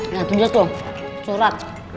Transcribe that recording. nah itu dia tuh surat